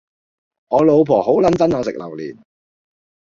我老婆好撚憎我食榴槤